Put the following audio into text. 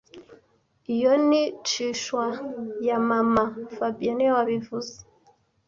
Iyo ni chihuahua ya mama fabien niwe wabivuze